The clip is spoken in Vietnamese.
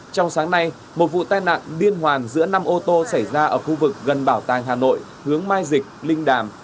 trong sáng nay một vụ tai nạn liên hoàn giữa năm ô tô xảy ra ở khu vực gần bảo tàng hà nội hướng mai dịch linh đàm